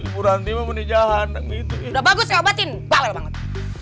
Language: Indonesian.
berhenti menjauhan itu udah bagus obatin banget